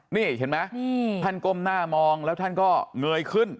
นี่เห็นไหมท่านก้มหน้ามองแล้วท่านก็เงยขึ้น